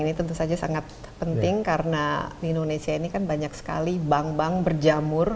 ini tentu saja sangat penting karena di indonesia ini kan banyak sekali bank bank berjamur